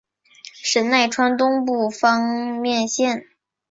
神奈川东部方面线。